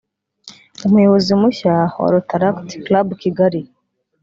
Umuyobozi mushya wa Rotaract Club Kigali